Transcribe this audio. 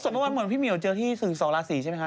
ส่งบางวันเหมือนพี่เมี๋ยวเจอที่สราศรีใช่ไหมคะ